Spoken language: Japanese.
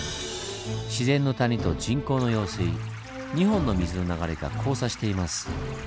自然の谷と人工の用水２本の水の流れが交差しています。